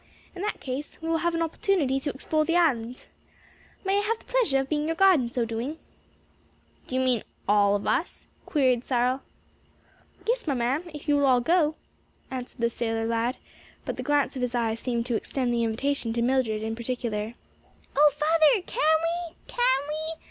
"In that case we will have an opportunity to explore the island. May I have the pleasure of being your guide in so doing?" "Do you mean all of us?" queried Cyril. "Yes, my man; if you will all go?" answered the sailor lad; but the glance of his eye seemed to extend the invitation to Mildred in particular. "O father, can we? can we?"